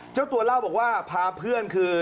เจ้าตัวเล่าบอกว่าพาเพื่อนคือ